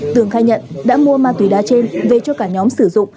tường khai nhận đã mua ma túy đá trên về cho cả nhóm sử dụng